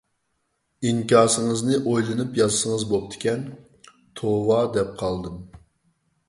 ئىنكاسىڭىزنى ئويلىنىپ يازسىڭىز بوپتىكەن، توۋا دەپ قالدىم.